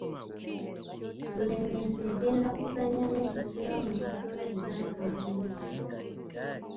Bulemeezi egenda kuzannya ne Busiro mu mpaka ez'akamalirizo.